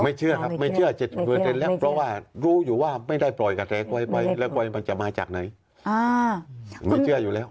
ไม่เชื่อครับไม่เชื่อเจ็บเวลาแรกเพราะว่ารู้อยู่ว่าไม่ได้ปล่อยกับเล็กไวเล็กไวมันจะมาจากไหนไม่เชื่ออยู่แล้ว